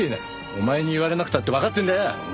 お前に言われなくたってわかってんだよ。